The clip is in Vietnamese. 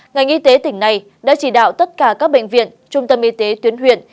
ngành y tế tỉnh này đã chỉ đạo tất cả các bệnh viện trung tâm y tế tuyến huyện